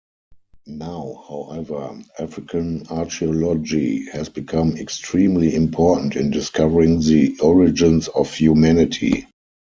Now, however, African archaeology has become extremely important in discovering the origins of humanity.